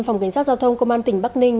phòng cảnh sát giao thông công an tỉnh bắc ninh